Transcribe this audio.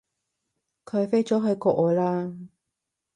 佢飛咗去外國喇